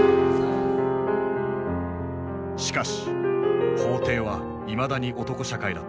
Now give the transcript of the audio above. しかし法廷はいまだに男社会だった。